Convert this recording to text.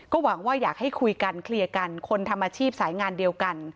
หวังว่าอยากให้คุยกันเคลียร์กันคนทำอาชีพสายงานเดียวกัน